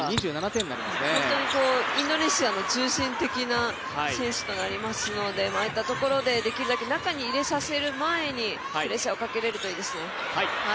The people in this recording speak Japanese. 本当に、インドネシアの中心的な選手となりますのでああいったところで、できるだけ中に入れさせる前にプレッシャーをかけられるといいですね。